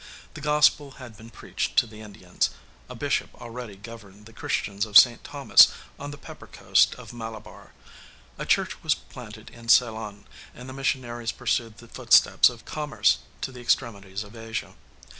The gospel had been preached to the Indians; a bishop already governed the Christians of St. Thomas [Pg 6307] on the pepper coast of Malabar; a church was planted in Ceylon, and the missionaries pursued the footsteps of commerce to the extremities of Asia.